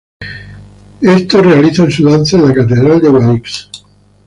Estos realizan su danza en la Catedral de Guadix.